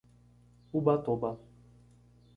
Ubatuba